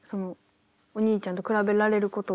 お兄ちゃんと比べられることが。